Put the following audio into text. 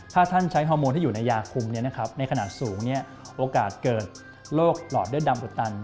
ถ้าท่านใช้ฮอร์โมนที่อยู่ในยาคุมในขนาดสูงโอกาสเกิดโรคหลอดเลือดดำอุดตัน